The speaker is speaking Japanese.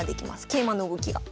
桂馬の動きが。